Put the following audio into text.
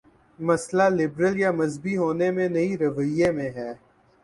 مسئلہ لبرل یا مذہبی ہو نے میں نہیں، رویے میں ہے۔